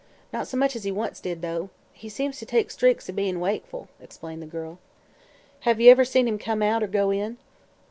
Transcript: Not so much as he once did, though. He seems to take streaks o' bein' wakeful," explained the girl. "Have you ever seen him come out, or go in?"